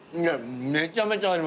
めちゃめちゃあります。